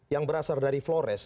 yang berasal dari flores